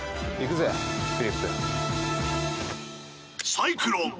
サイクロン！